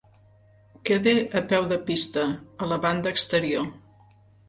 Queda a peu de pista, a la banda exterior.